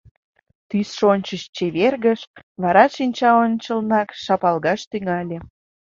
Тӱсшӧ ончыч чевергыш, вара шинча ончыланак шапалгаш тӱҥале.